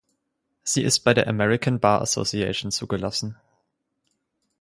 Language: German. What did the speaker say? Sie ist bei der American Bar Association zugelassen.